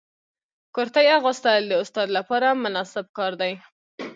کرتۍ اغوستل د استاد لپاره مناسب کار دی.